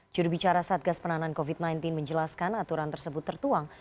jurubicara satgas penanganan covid sembilan belas menjelaskan aturan tersebut tertuang